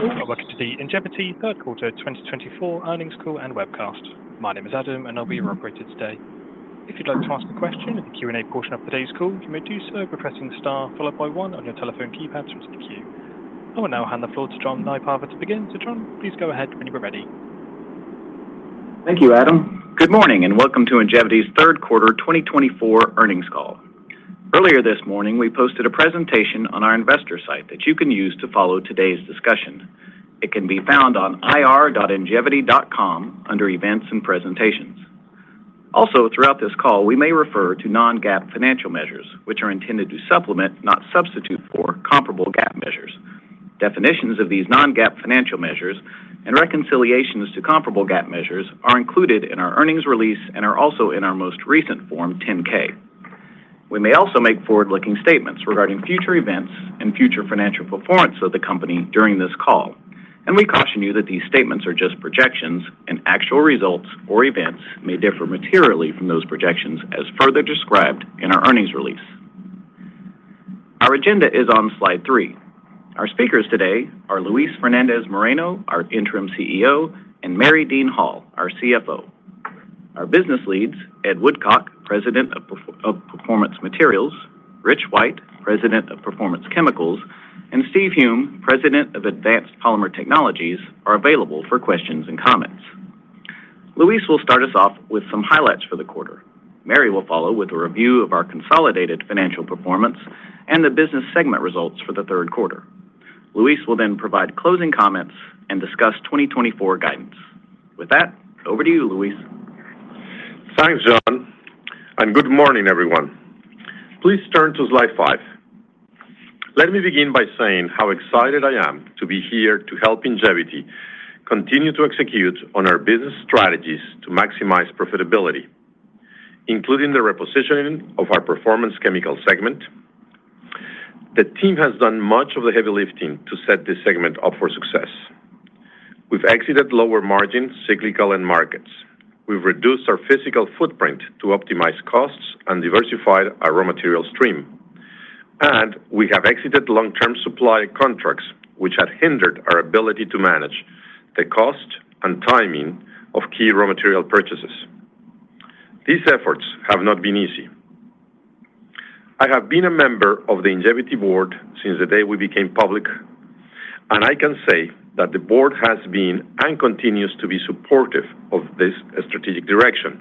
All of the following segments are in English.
Good morning and good afternoon. Welcome to the Ingevity third quarter 2024 earnings call and webcast. My name is Adam, and I'll be your operator today. If you'd like to ask a question in the Q&A portion of today's call, you may do so by pressing the star followed by one on your telephone keypad to execute. I will now hand the floor to John Nypaver. To begin, John, please go ahead when you're ready. Thank you, Adam. Good morning and welcome to Ingevity's third quarter 2024 earnings call. Earlier this morning, we posted a presentation on our investor site that you can use to follow today's discussion. It can be found on ir.ingevity.com under Events and Presentations. Also, throughout this call, we may refer to non-GAAP financial measures, which are intended to supplement, not substitute for, comparable GAAP measures. Definitions of these non-GAAP financial measures and reconciliations to comparable GAAP measures are included in our earnings release and are also in our most recent Form 10-K. We may also make forward-looking statements regarding future events and future financial performance of the company during this call, and we caution you that these statements are just projections, and actual results or events may differ materially from those projections as further described in our earnings release. Our agenda is on slide three. Our speakers today are Luis Fernandez-Moreno, our Interim CEO, and Mary Dean Hall, our CFO. Our business leads, Ed Woodcock, President of Performance Materials, Rich White, President of Performance Chemicals, and Steve Hulme, President of Advanced Polymer Technologies, are available for questions and comments. Luis will start us off with some highlights for the quarter. Mary will follow with a review of our consolidated financial performance and the business segment results for the third quarter. Luis will then provide closing comments and discuss 2024 guidance. With that, over to you, Luis. Thanks, John, and good morning, everyone. Please turn to slide five. Let me begin by saying how excited I am to be here to help Ingevity continue to execute on our business strategies to maximize profitability, including the repositioning of our Performance Chemicals segment. The team has done much of the heavy lifting to set this segment up for success. We've exited lower margins, cyclical, and markets. We've reduced our physical footprint to optimize costs and diversify our raw material stream. And we have exited long-term supply contracts, which have hindered our ability to manage the cost and timing of key raw material purchases. These efforts have not been easy. I have been a member of the Ingevity board since the day we became public, and I can say that the board has been and continues to be supportive of this strategic direction.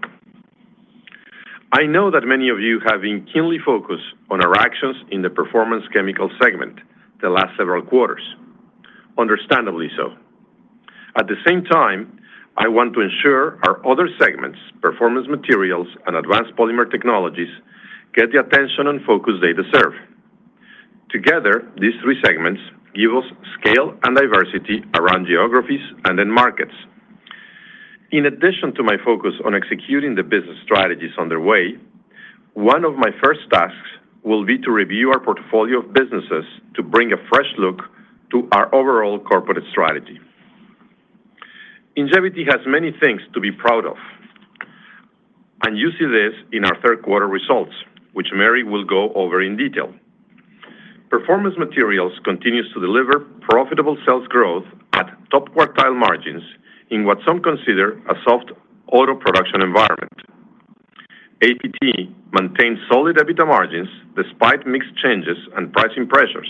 I know that many of you have been keenly focused on our actions in the Performance Chemicals segment the last several quarters, understandably so. At the same time, I want to ensure our other segments, Performance Materials and Advanced Polymer Technologies, get the attention and focus they deserve. Together, these three segments give us scale and diversity around geographies and in markets. In addition to my focus on executing the business strategies underway, one of my first tasks will be to review our portfolio of businesses to bring a fresh look to our overall corporate strategy. Ingevity has many things to be proud of, and you see this in our third quarter results, which Mary will go over in detail. Performance Materials continues to deliver profitable sales growth at top quartile margins in what some consider a soft auto production environment. APT maintained solid EBITDA margins despite mixed changes and pricing pressures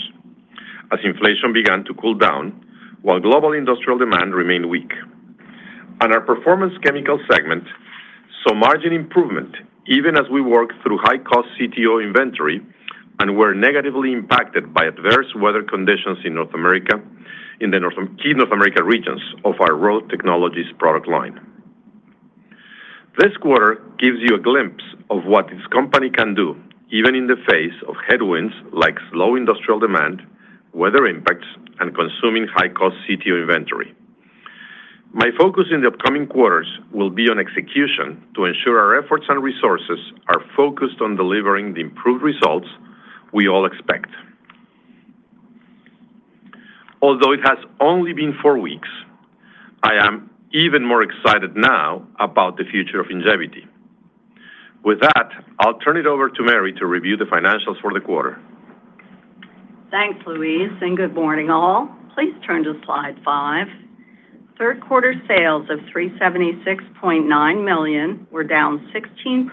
as inflation began to cool down while global industrial demand remained weak. And our Performance Chemicals segment saw margin improvement even as we worked through high-cost CTO inventory and were negatively impacted by adverse weather conditions in North America, in the key North America regions of our Road Technologies product line. This quarter gives you a glimpse of what this company can do even in the face of headwinds like slow industrial demand, weather impacts, and consuming high-cost CTO inventory. My focus in the upcoming quarters will be on execution to ensure our efforts and resources are focused on delivering the improved results we all expect. Although it has only been four weeks, I am even more excited now about the future of Ingevity. With that, I'll turn it over to Mary to review the financials for the quarter. Thanks, Luis, and good morning, all. Please turn to slide five. Third quarter sales of $376.9 million were down 16%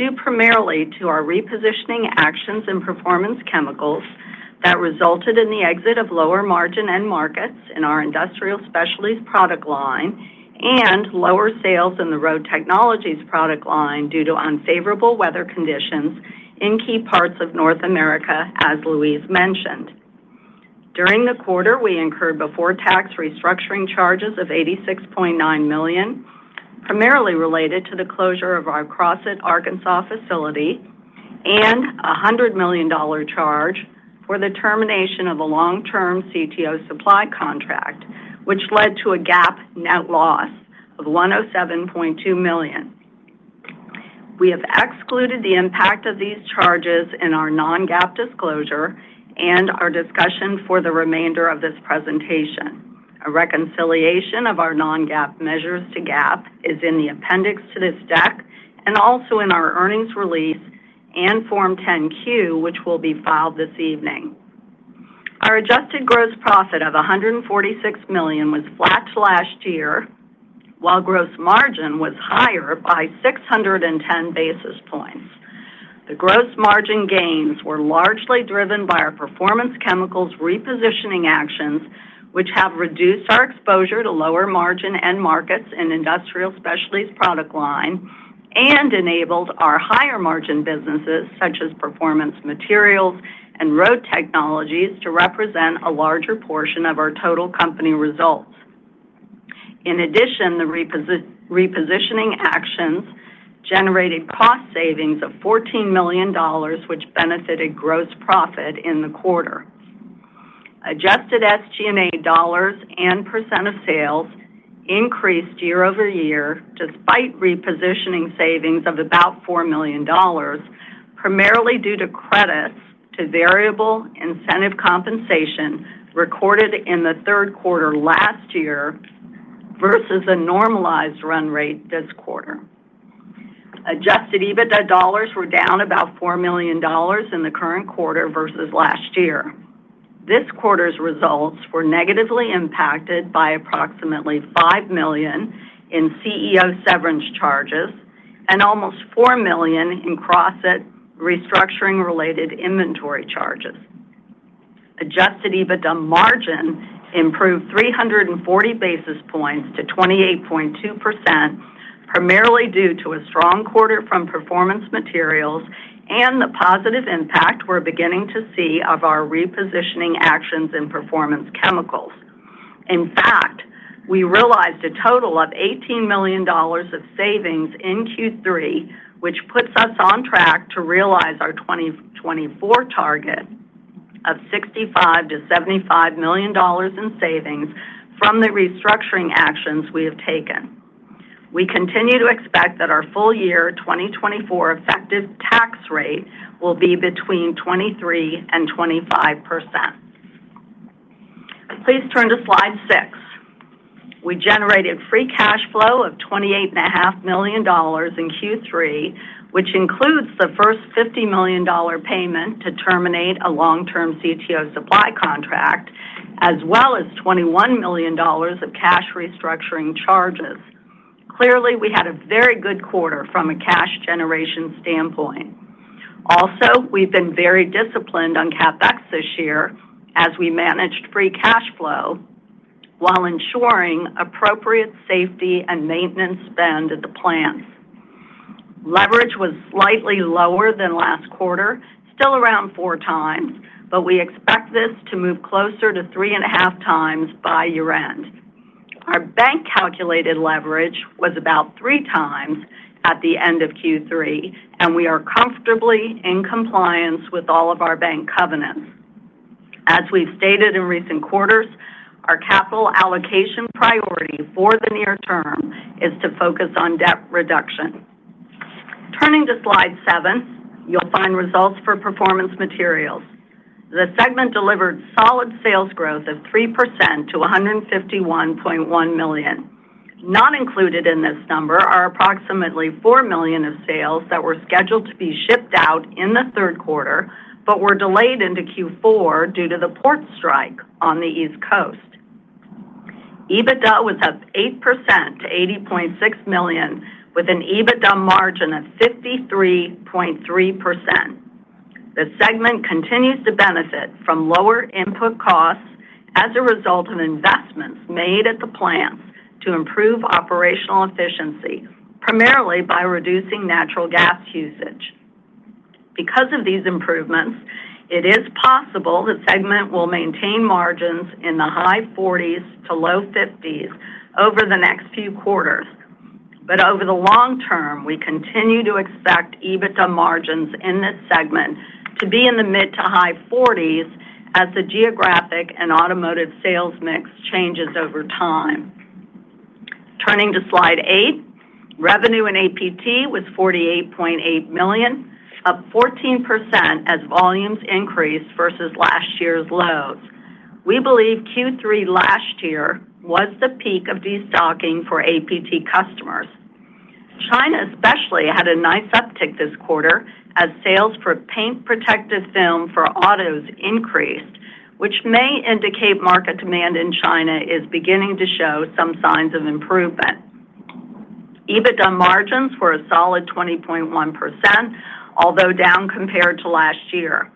due primarily to our repositioning actions in Performance Chemicals that resulted in the exit of lower margin and markets in our Industrial Specialties product line and lower sales in the Road Technologies product line due to unfavorable weather conditions in key parts of North America, as Luis mentioned. During the quarter, we incurred before-tax restructuring charges of $86.9 million, primarily related to the closure of our Crossett Arkansas facility and a $100 million charge for the termination of a long-term CTO supply contract, which led to a GAAP net loss of $107.2 million. We have excluded the impact of these charges in our non-GAAP disclosure and our discussion for the remainder of this presentation. A reconciliation of our non-GAAP measures to GAAP is in the appendix to this deck and also in our earnings release and Form 10-Q, which will be filed this evening. Our adjusted gross profit of $146 million was flat last year, while gross margin was higher by 610 basis points. The gross margin gains were largely driven by our Performance Chemicals repositioning actions, which have reduced our exposure to lower margin and markets in Industrial Specialties product line and enabled our higher margin businesses, such as Performance Materials and Road Technologies, to represent a larger portion of our total company results. In addition, the repositioning actions generated cost savings of $14 million, which benefited gross profit in the quarter. Adjusted SG&A dollars and percent of sales increased year over year despite repositioning savings of about $4 million, primarily due to credits to variable incentive compensation recorded in the third quarter last year versus a normalized run rate this quarter. Adjusted EBITDA dollars were down about $4 million in the current quarter versus last year. This quarter's results were negatively impacted by approximately $5 million in CEO severance charges and almost $4 million in Crossett restructuring-related inventory charges. Adjusted EBITDA margin improved 340 basis points to 28.2%, primarily due to a strong quarter from Performance Materials and the positive impact we're beginning to see of our repositioning actions in Performance Chemicals. In fact, we realized a total of $18 million of savings in Q3, which puts us on track to realize our 2024 target of $65-$75 million in savings from the restructuring actions we have taken. We continue to expect that our full year 2024 effective tax rate will be between 23 and 25%. Please turn to slide six. We generated free cash flow of $28.5 million in Q3, which includes the first $50 million payment to terminate a long-term CTO supply contract, as well as $21 million of cash restructuring charges. Clearly, we had a very good quarter from a cash generation standpoint. Also, we've been very disciplined on CapEx this year as we managed free cash flow while ensuring appropriate safety and maintenance spend at the plants. Leverage was slightly lower than last quarter, still around four times, but we expect this to move closer to three and a half times by year-end. Our bank-calculated leverage was about three times at the end of Q3, and we are comfortably in compliance with all of our bank covenants. As we've stated in recent quarters, our capital allocation priority for the near term is to focus on debt reduction. Turning to slide seven, you'll find results for Performance Materials. The segment delivered solid sales growth of 3% to $151.1 million. Not included in this number are approximately $4 million of sales that were scheduled to be shipped out in the third quarter but were delayed into Q4 due to the port strike on the East Coast. EBITDA was up 8% to $80.6 million, with an EBITDA margin of 53.3%. The segment continues to benefit from lower input costs as a result of investments made at the plants to improve operational efficiency, primarily by reducing natural gas usage. Because of these improvements, it is possible the segment will maintain margins in the high 40s to low 50s over the next few quarters. But over the long term, we continue to expect EBITDA margins in this segment to be in the mid to high 40s as the geographic and automotive sales mix changes over time. Turning to slide eight, revenue in APT was $48.8 million, up 14% as volumes increased versus last year's lows. We believe Q3 last year was the peak of destocking for APT customers. China especially had a nice uptick this quarter as sales for paint protective film for autos increased, which may indicate market demand in China is beginning to show some signs of improvement. EBITDA margins were a solid 20.1%, although down compared to last year.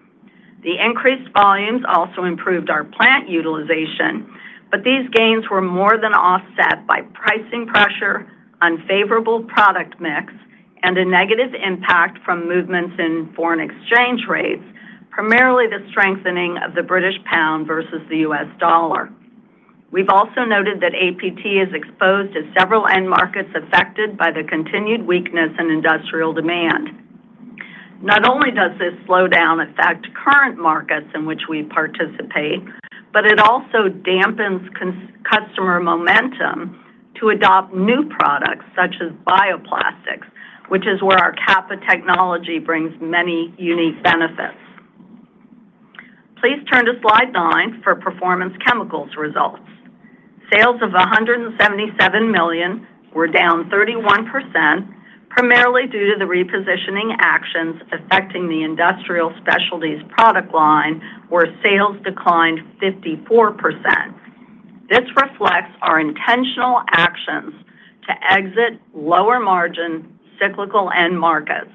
The increased volumes also improved our plant utilization, but these gains were more than offset by pricing pressure, unfavorable product mix, and a negative impact from movements in foreign exchange rates, primarily the strengthening of the British pound versus the US dollar. We've also noted that APT is exposed to several end markets affected by the continued weakness in industrial demand. Not only does this slowdown affect current markets in which we participate, but it also dampens customer momentum to adopt new products such as bioplastics, which is where our Capa technology brings many unique benefits. Please turn to slide nine for Performance Chemicals results. Sales of $177 million were down 31%, primarily due to the repositioning actions affecting the Industrial Specialties product line, where sales declined 54%. This reflects our intentional actions to exit lower margin cyclical end markets.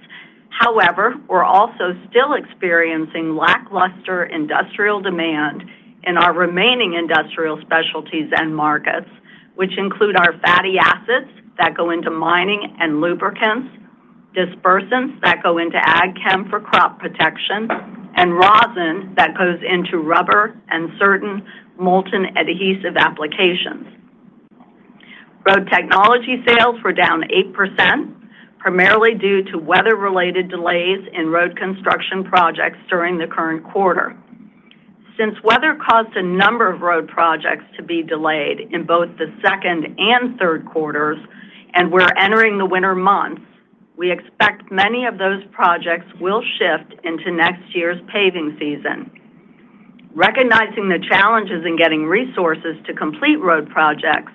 However, we're also still experiencing lackluster industrial demand in our remaining Industrial Specialties end markets, which include our fatty acids that go into mining and lubricants, dispersants that go into ag chem for crop protection, and rosin that goes into rubber and certain molten adhesive applications. Road Technologies sales were down 8%, primarily due to weather-related delays in road construction projects during the current quarter. Since weather caused a number of road projects to be delayed in both the second and third quarters, and we're entering the winter months, we expect many of those projects will shift into next year's paving season. Recognizing the challenges in getting resources to complete road projects,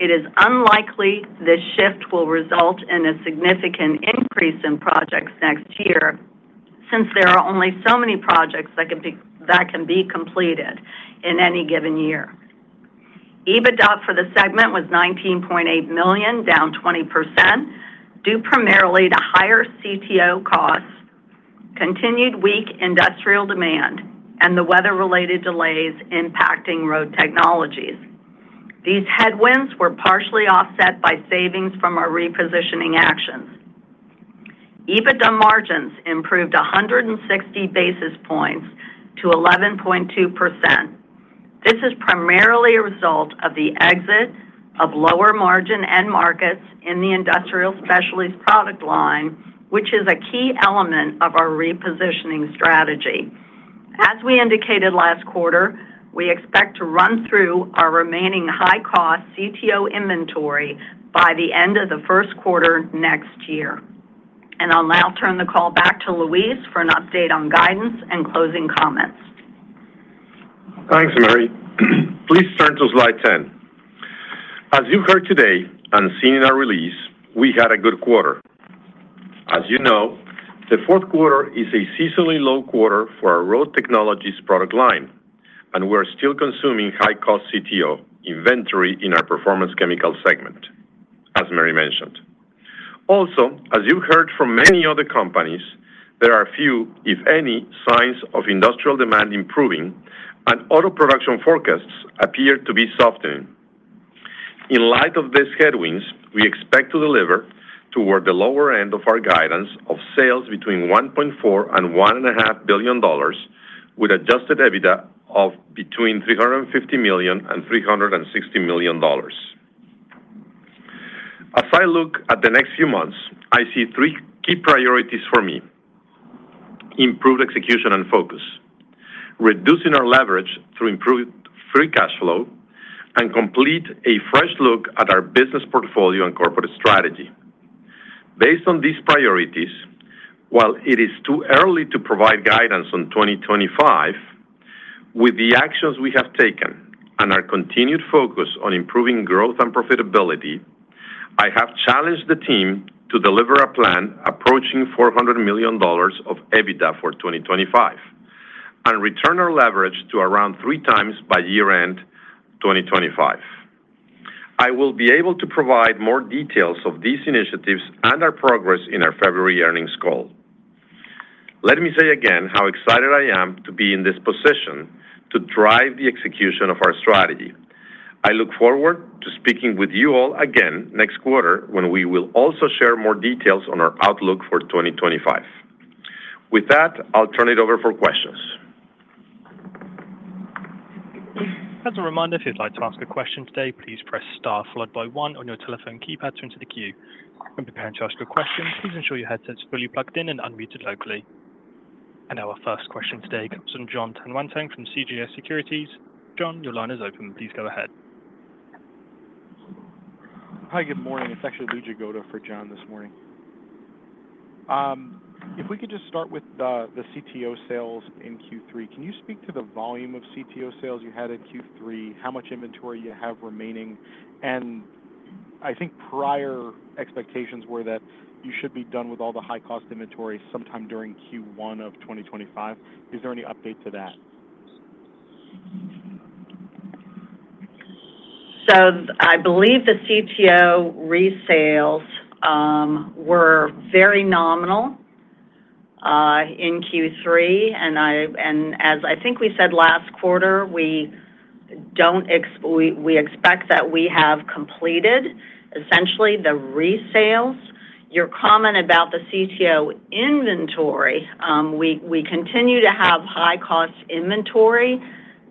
it is unlikely this shift will result in a significant increase in projects next year since there are only so many projects that can be completed in any given year. EBITDA for the segment was $19.8 million, down 20%, due primarily to higher CTO costs, continued weak industrial demand, and the weather-related delays impacting Road Technologies. These headwinds were partially offset by savings from our repositioning actions. EBITDA margins improved 160 basis points to 11.2%. This is primarily a result of the exit of lower margin end markets in the Industrial Specialties product line, which is a key element of our repositioning strategy. As we indicated last quarter, we expect to run through our remaining high-cost CTO inventory by the end of the first quarter next year. And I'll now turn the call back to Luis for an update on guidance and closing comments. Thanks, Mary. Please turn to slide 10. As you've heard today and seen in our release, we had a good quarter. As you know, the fourth quarter is a seasonally low quarter for our Road Technologies product line, and we're still consuming high-cost CTO inventory in our Performance Chemicals segment, as Mary mentioned. Also, as you've heard from many other companies, there are few, if any, signs of industrial demand improving, and auto production forecasts appear to be softening. In light of these headwinds, we expect to deliver toward the lower end of our guidance of sales between $1.4 and $1.5 billion, with Adjusted EBITDA of between $350 million and $360 million. As I look at the next few months, I see three key priorities for me: improve execution and focus, reduce our leverage through improved free cash flow, and complete a fresh look at our business portfolio and corporate strategy. Based on these priorities, while it is too early to provide guidance on 2025, with the actions we have taken and our continued focus on improving growth and profitability, I have challenged the team to deliver a plan approaching $400 million of EBITDA for 2025 and return our leverage to around three times by year-end 2025. I will be able to provide more details of these initiatives and our progress in our February earnings call. Let me say again how excited I am to be in this position to drive the execution of our strategy. I look forward to speaking with you all again next quarter when we will also share more details on our outlook for 2025. With that, I'll turn it over for questions. That's a reminder, if you'd like to ask a question today, please press star followed by one on your telephone keypad to enter the queue. When preparing to ask a question, please ensure your headset is fully plugged in and unmuted locally. And our first question today comes from John Tanwanteng from CJS Securities. John, your line is open. Please go ahead. Hi, good morning. It's actually Lee Jagoda for John this morning. If we could just start with the CTO sales in Q3, can you speak to the volume of CTO sales you had in Q3, how much inventory you have remaining, and I think prior expectations were that you should be done with all the high-cost inventory sometime during Q1 of 2025? Is there any update to that? So I believe the CTO resales were very nominal in Q3. And as I think we said last quarter, we expect that we have completed essentially the resales. Your comment about the CTO inventory, we continue to have high-cost inventory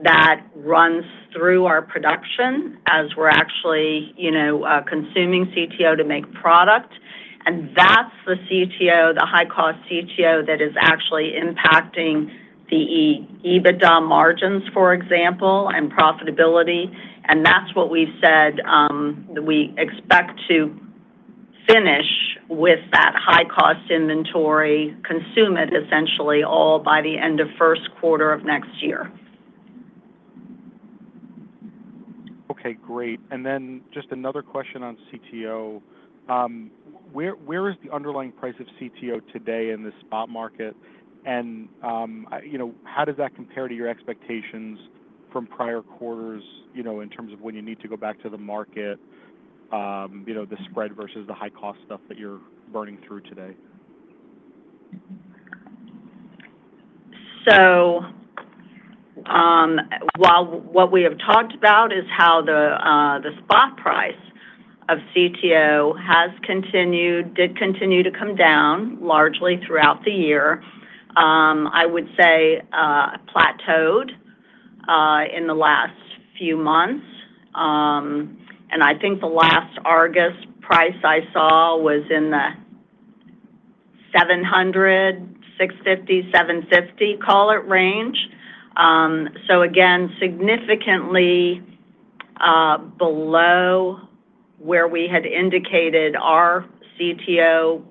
that runs through our production as we're actually consuming CTO to make product. And that's the CTO, the high-cost CTO that is actually impacting the EBITDA margins, for example, and profitability. And that's what we've said that we expect to finish with that high-cost inventory, consume it essentially all by the end of first quarter of next year. Okay, great. And then just another question on CTO. Where is the underlying price of CTO today in the spot market? And how does that compare to your expectations from prior quarters in terms of when you need to go back to the market, the spread versus the high-cost stuff that you're burning through today? So what we have talked about is how the spot price of CTO has continued to come down largely throughout the year. I would say it plateaued in the last few months. And I think the last August price I saw was in the 700, 650, 750 call it range. So again, significantly below where we had indicated our CTO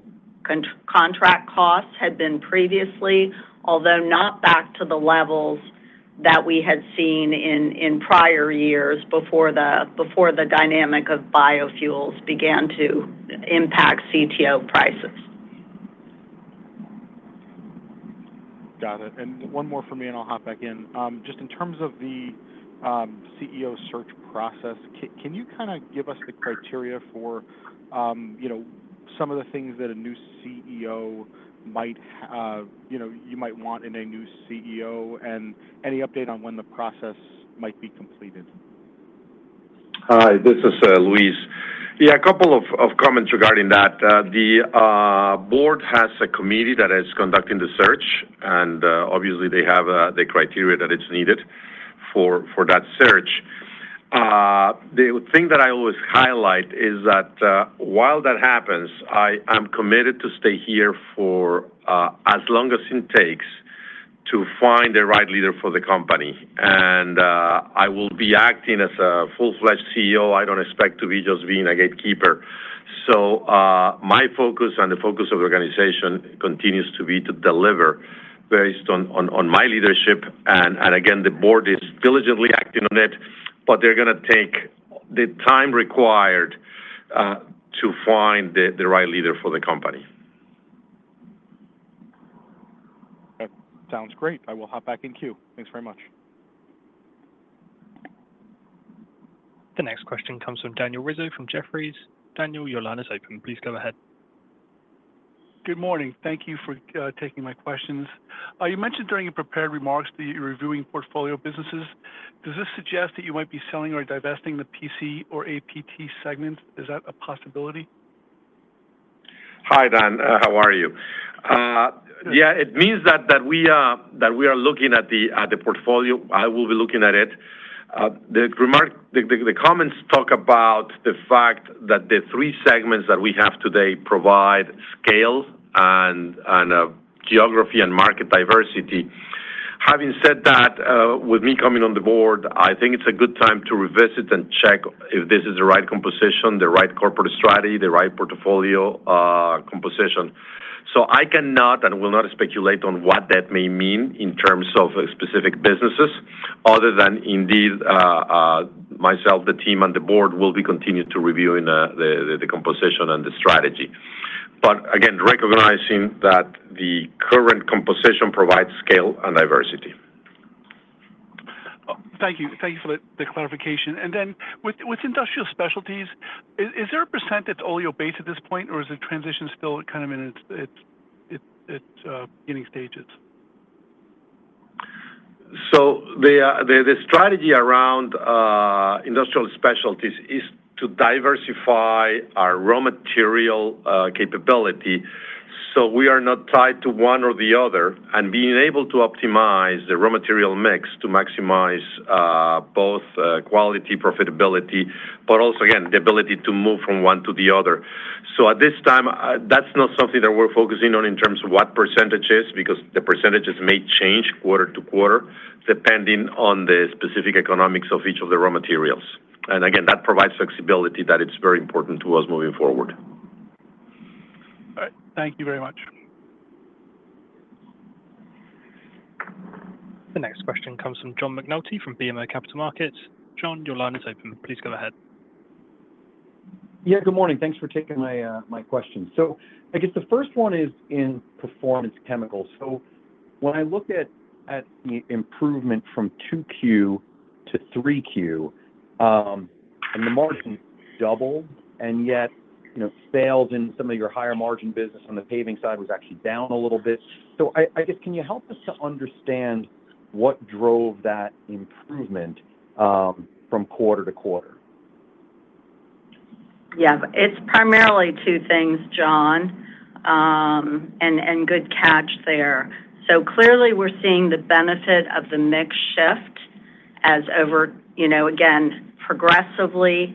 contract costs had been previously, although not back to the levels that we had seen in prior years before the dynamic of biofuels began to impact CTO prices. Got it. And one more for me, and I'll hop back in. Just in terms of the CEO search process, can you kind of give us the criteria for some of the things that a new CEO might want in a new CEO and any update on when the process might be completed? Hi, this is Luis. Yeah, a couple of comments regarding that. The board has a committee that is conducting the search, and obviously, they have the criteria that is needed for that search. The thing that I always highlight is that while that happens, I'm committed to stay here for as long as it takes to find the right leader for the company. And I will be acting as a full-fledged CEO. I don't expect to be just being a gatekeeper. So my focus and the focus of the organization continues to be to deliver based on my leadership. And again, the board is diligently acting on it, but they're going to take the time required to find the right leader for the company. Sounds great. I will hop back in queue. Thanks very much. The next question comes from Daniel Rizzo from Jefferies. Daniel, your line is open. Please go ahead. Good morning. Thank you for taking my questions. You mentioned during your prepared remarks that you're reviewing portfolio businesses. Does this suggest that you might be selling or divesting the PC or APT segment? Is that a possibility? Hi, Dan. How are you? Yeah, it means that we are looking at the portfolio. I will be looking at it. The comments talk about the fact that the three segments that we have today provide scale and geography and market diversity. Having said that, with me coming on the board, I think it's a good time to revisit and check if this is the right composition, the right corporate strategy, the right portfolio composition. So I cannot and will not speculate on what that may mean in terms of specific businesses other than indeed myself, the team, and the board will be continuing to review the composition and the strategy. But again, recognizing that the current composition provides scale and diversity. Thank you. Thank you for the clarification. And then with Industrial Specialties, is there a % that's Oleo based at this point, or is the transition still kind of in its beginning stages? So the strategy around Industrial Specialties is to diversify our raw material capability. So we are not tied to one or the other. And being able to optimize the raw material mix to maximize both quality and profitability, but also, again, the ability to move from one to the other. So at this time, that's not something that we're focusing on in terms of what percentages because the percentages may change quarter to quarter depending on the specific economics of each of the raw materials. And again, that provides flexibility that is very important to us moving forward. All right. Thank you very much. The next question comes from John McNulty from BMO Capital Markets. John, your line is open. Please go ahead. Yeah, good morning. Thanks for taking my question. So I guess the first one is in Performance Chemicals. So when I look at the improvement from 2Q to 3Q, and the margin doubled, and yet sales in some of your higher margin business on the paving side was actually down a little bit. So I guess, can you help us to understand what drove that improvement from quarter to quarter? Yeah, it's primarily two things, John, and good catch there. So clearly, we're seeing the benefit of the mix shift as, again, progressively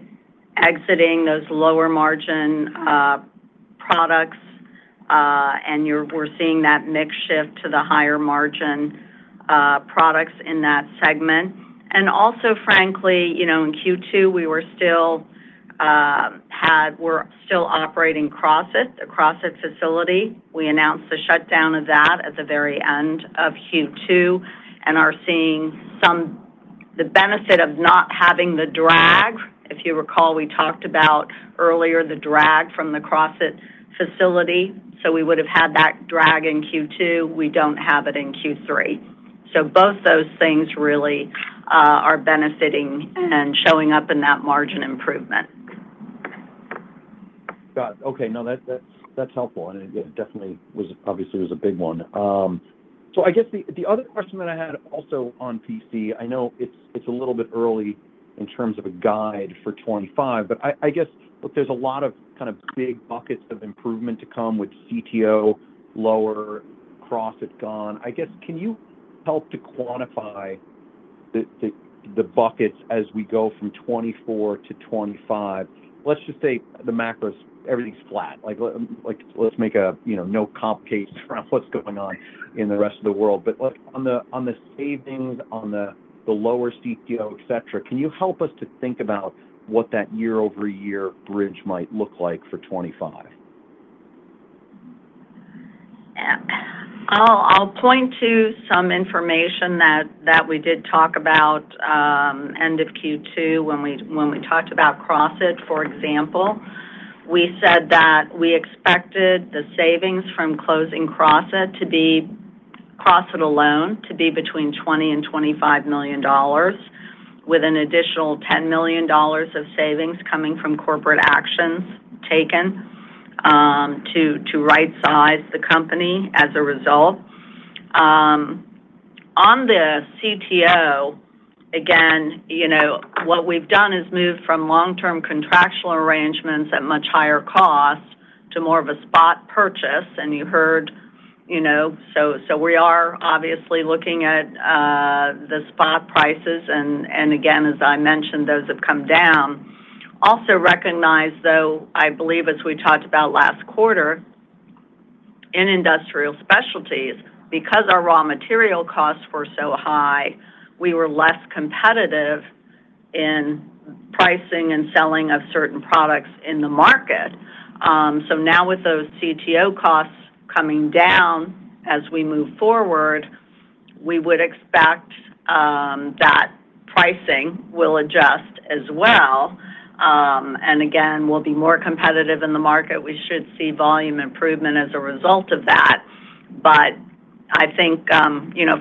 exiting those lower margin products, and we're seeing that mix shift to the higher margin products in that segment. And also, frankly, in Q2, we were still operating Crossett at the Crossett facility. We announced the shutdown of that at the very end of Q2 and are seeing the benefit of not having the drag. If you recall, we talked about earlier the drag from the Crossett facility. So we would have had that drag in Q2. We don't have it in Q3. So both those things really are benefiting and showing up in that margin improvement. Got it. Okay. No, that's helpful, and it definitely was obviously a big one, so I guess the other question that I had also on PC. I know it's a little bit early in terms of a guide for 2025, but I guess there's a lot of kind of big buckets of improvement to come with CTO lower, Crossett gone. I guess, can you help to quantify the buckets as we go from 2024 to 2025? Let's just say the macros, everything's flat. Let's make no complications around what's going on in the rest of the world, but on the savings, on the lower CTO, etc., can you help us to think about what that year-over-year bridge might look like for 2025? I'll point to some information that we did talk about end of Q2 when we talked about Crossett, for example. We said that we expected the savings from closing Crossett alone to be between $20 and $25 million, with an additional $10 million of savings coming from corporate actions taken to right-size the company as a result. On the CTO, again, what we've done is moved from long-term contractual arrangements at much higher cost to more of a spot purchase. And you heard, so we are obviously looking at the spot prices. And again, as I mentioned, those have come down. Also recognize, though, I believe as we talked about last quarter, in Industrial Specialties, because our raw material costs were so high, we were less competitive in pricing and selling of certain products in the market. So now with those CTO costs coming down as we move forward, we would expect that pricing will adjust as well. And again, we'll be more competitive in the market. We should see volume improvement as a result of that. But I think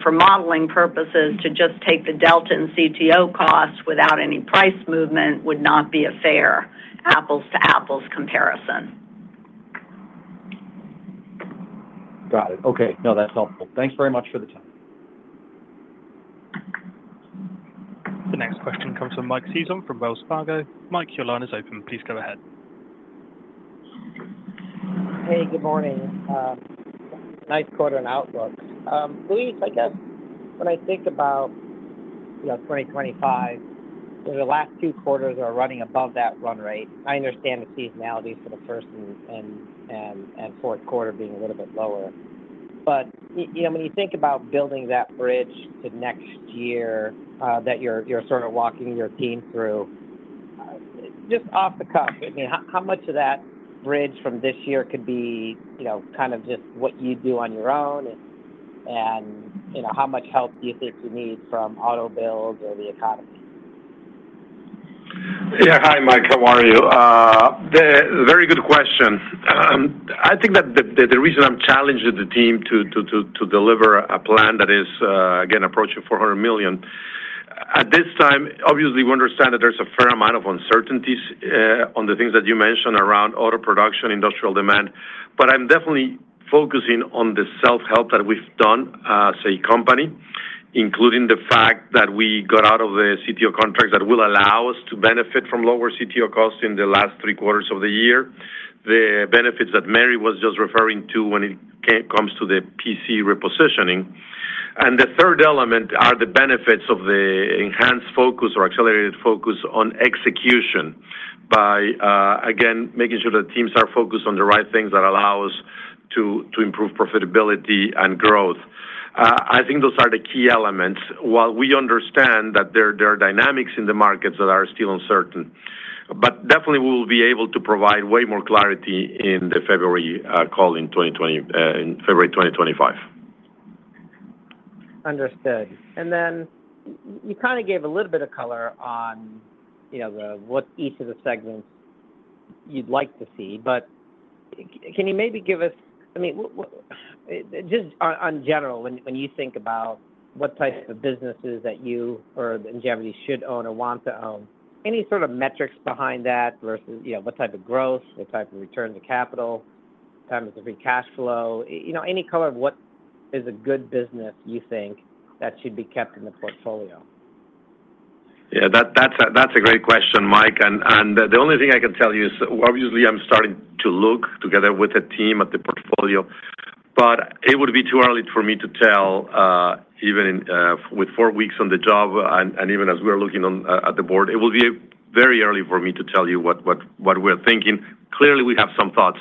for modeling purposes, to just take the delta in CTO costs without any price movement would not be a fair apples-to-apples comparison. Got it. Okay. No, that's helpful. Thanks very much for the time. The next question comes from Mike Sison from Wells Fargo. Mike, your line is open. Please go ahead. Hey, good morning. Nice quarter and outlook. Luis, I guess when I think about 2025, the last two quarters are running above that run rate. I understand the seasonality for the first and fourth quarter being a little bit lower. But when you think about building that bridge to next year that you're sort of walking your team through, just off the cuff, how much of that bridge from this year could be kind of just what you do on your own? And how much help do you think you need from auto builds or the economy? Yeah. Hi, Mike. How are you? Very good question. I think that the reason I'm challenging the team to deliver a plan that is, again, approaching $400 million, at this time, obviously, we understand that there's a fair amount of uncertainties on the things that you mentioned around auto production, industrial demand. But I'm definitely focusing on the self-help that we've done as a company, including the fact that we got out of the CTO contracts that will allow us to benefit from lower CTO costs in the last three quarters of the year, the benefits that Mary was just referring to when it comes to the PC repositioning. And the third element are the benefits of the enhanced focus or accelerated focus on execution by, again, making sure that teams are focused on the right things that allow us to improve profitability and growth. I think those are the key elements. While we understand that there are dynamics in the markets that are still uncertain, but definitely we will be able to provide way more clarity in the February call in February 2025. Understood. And then you kind of gave a little bit of color on what each of the segments you'd like to see. But can you maybe give us, I mean, just in general, when you think about what types of businesses that you or Ingevity should own or want to own, any sort of metrics behind that versus what type of growth, what type of return to capital, time of the free cash flow, any color of what is a good business you think that should be kept in the portfolio? Yeah, that's a great question, Mike. And the only thing I can tell you is, obviously, I'm starting to look together with the team at the portfolio, but it would be too early for me to tell even with four weeks on the job and even as we're looking at the board. It will be very early for me to tell you what we're thinking. Clearly, we have some thoughts,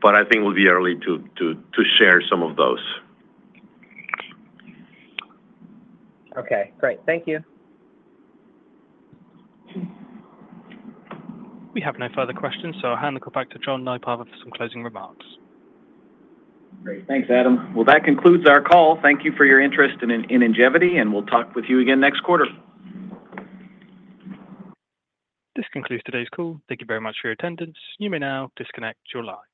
but I think it will be early to share some of those. Okay. Great. Thank you. We have no further questions. So I'll hand the call back to John Nypaver for some closing remarks. Great. Thanks, Adam. Well, that concludes our call. Thank you for your interest in Ingevity, and we'll talk with you again next quarter. This concludes today's call. Thank you very much for your attendance. You may now disconnect your lines.